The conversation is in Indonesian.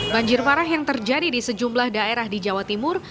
banjir parah yang terjadi di sejumlah daerah di jawa timur